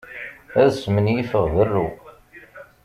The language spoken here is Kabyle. Ad smenyifeɣ berru.